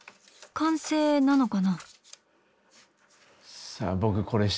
完成なのかな？